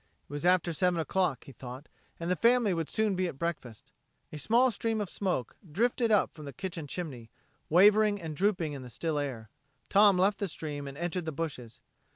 It was after seven o'clock, he thought, and the family would soon be at breakfast. A small stream of smoke drifted up from the kitchen chimney, wavering and drooping in the still air. Tom left the stream and entered the bushes.